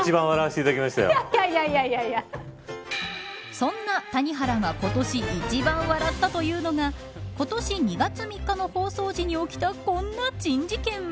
そんな谷原が今年一番笑ったというのが今年２月３日の放送時に起きたこんな珍事件。